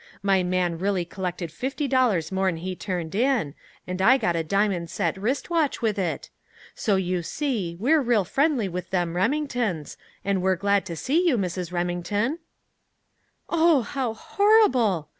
My man really collected fifty dollars more'n he turned in, and I got a diamond set wrist watch with it! So, you see, we're real friendly with them Remingtons, and we're glad to see you, Mrs. Remington!" "Oh, how horrible!"